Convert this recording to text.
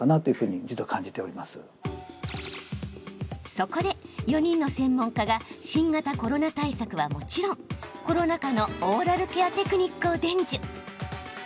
そこで４人の専門家が新型コロナ対策はもちろんコロナ禍のオーラルケアテクニックを伝授。